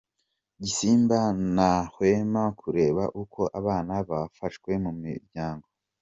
Gisimba ntahwema kureba uko abana bafashwe mu miryango.